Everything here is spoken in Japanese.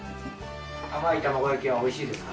甘い卵焼きはおいしいですか。